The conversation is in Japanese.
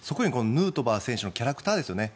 ヌートバー選手のキャラクターですよね。